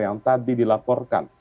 yang tadi dilaporkan